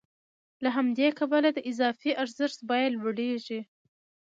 له همدې کبله د اضافي ارزښت بیه لوړېږي